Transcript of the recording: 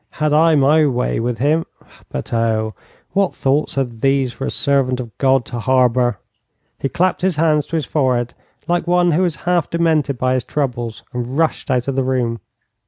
'Had I my way with him but, oh, what thoughts are these for a servant of God to harbour!' He clapped his hands to his forehead like one who is half demented by his troubles, and rushed out of the room.